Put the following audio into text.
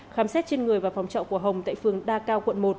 khám xét trên người và phòng trọ của hồng tại phường đa cao quận một